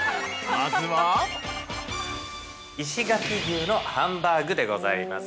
まずは◆石垣牛のハンバーグでございます。